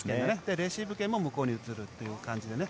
レシーブ権も向こうに移るという感じですね。